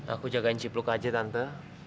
aku jagain cipluk aja tante